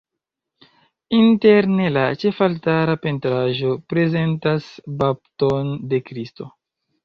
Interne la ĉefaltara pentraĵo prezentas bapton de Kristo.